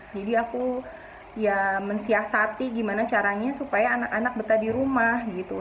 jadi aku ya mensiasati gimana caranya supaya anak anak betah di rumah gitu